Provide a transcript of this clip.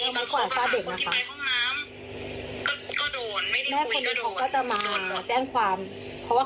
ไม้แตกเป็นเส้นเส้นก็ยังไม่หยุดค่ะก็ตีตีตอนฝากคนที่ไปห้องน้ำ